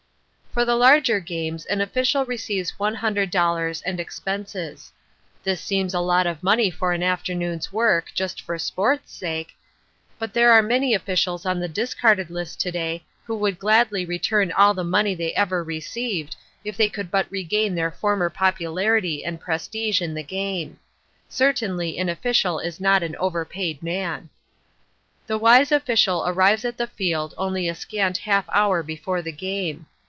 For the larger games an official receives one hundred dollars and expenses. This seems a lot of money for an afternoon's work just for sport's sake, but there are many officials on the discarded list to day who would gladly return all the money they ever received, if they could but regain their former popularity and prestige in the game. Certainly an official is not an over paid man. The wise official arrives at the field only a scant half hour before the game.